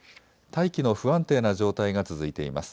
大気の不安定な状態が続いています。